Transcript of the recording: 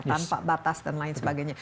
tanpa batas dan lain sebagainya